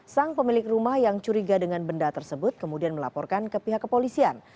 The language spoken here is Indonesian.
sang pemilik rumah yang curiga dengan benda tersebut kemudian melaporkan ke pihak kepolisian